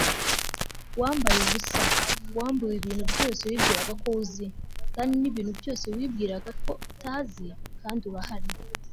wambaye ubusa- wambuwe ibintu byose wibwiraga ko uzi kandi nibintu byose wibwiraga ko utazi- kandi urahari